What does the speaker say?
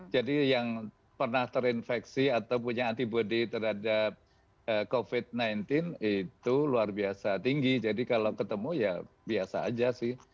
jadi yang pernah terinfeksi atau punya antibody terhadap covid sembilan belas itu luar biasa tinggi jadi kalau ketemu ya biasa aja sih